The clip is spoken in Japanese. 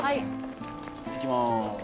いきます。